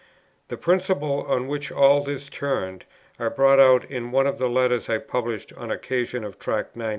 The principle, on which all this turned, is brought out in one of the Letters I published on occasion of Tract 90.